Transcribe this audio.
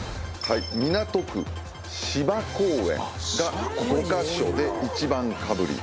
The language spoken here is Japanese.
港区芝公園が５カ所で１番かぶり。